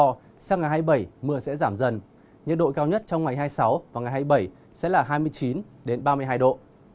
và sang ngày hai mươi bảy mưa sẽ giảm dần nhiệt độ cao nhất trong ngày hai mươi sáu và hai mươi bảy sẽ là hai mươi chín đến ba mươi hai độ